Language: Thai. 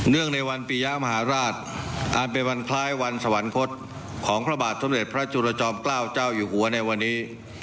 งในวันปียะมหาราชอันเป็นวันคล้ายวันสวรรคตของพระบาทสมเด็จพระจุลจอมเกล้าเจ้าอยู่หัวในวันนี้